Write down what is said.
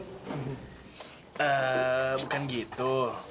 eee bukan gitu